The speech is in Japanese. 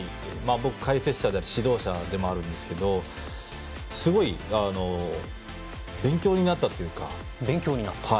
僕、解説者であり指導者でもあるんですけどすごい勉強になったというか。